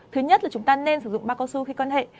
thứ nhất là chúng ta nên sử dụng ba cao su khi quan hệ